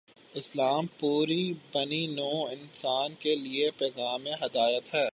اسلام پوری بنی نوع انسان کے لیے پیغام ہدایت ہے۔